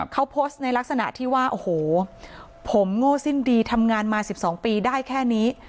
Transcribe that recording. เขาโพสต์ในลักษณะที่ว่าโอ้โหผมโง่สิ้นดีทำงานมา๑๒ปีได้แค่นี้